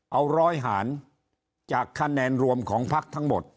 เอาร้อยหารจากคะแนนรวมของพักทั้งหมด